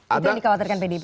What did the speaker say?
itu yang dikhawatirkan pdip